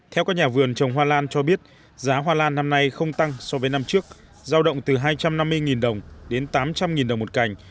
theo các nhà vườn trồng hoa lan cho biết giá hoa lan năm nay không tăng so với năm trước giao động từ hai trăm năm mươi đồng đến tám trăm linh đồng một cành